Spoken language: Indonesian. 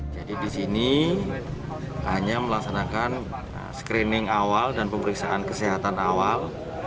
jadi di sini hanya melaksanakan screening awal dan pemeriksaan kesehatan awal